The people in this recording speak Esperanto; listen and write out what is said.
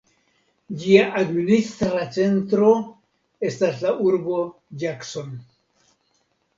Ĝia administra centro estas la urbo Jackson.